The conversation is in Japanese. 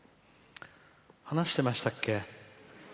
話してましたっけ？